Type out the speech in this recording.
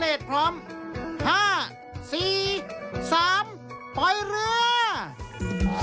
และแล้วก็ถึงเวลาพิสูจน์ขนพร้อมเหลือสเตนเลสพร้อม